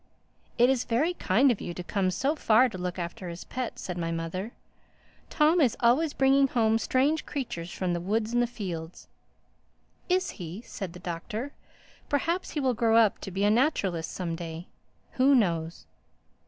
"It is very kind of you to come so far to look after his pet," said my mother. "Tom is always bringing home strange creatures from the woods and the fields." "Is he?" said the Doctor. "Perhaps he will grow up to be a naturalist some day. Who knows?"